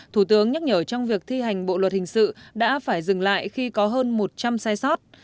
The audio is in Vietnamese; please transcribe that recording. thủ tướng nhắc nhở trong việc thi hành bộ luật hình sự đã phải dừng lại khi có hơn một trăm linh sai sót